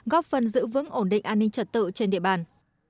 góp phần giữ vững ổn định an ninh trật tự trên địa bàn